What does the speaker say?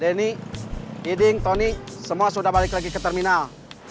denny iding tony semua sudah balik lagi ke terminal